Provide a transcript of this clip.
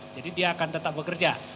dia akan tetap bekerja